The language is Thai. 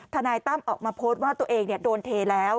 นายตั้มออกมาโพสต์ว่าตัวเองโดนเทแล้ว